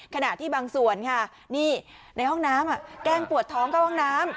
ขณะที่บางส่วนค่ะนี่ในห้องน้ำแกล้งปวดท้องเข้าห้องน้ำ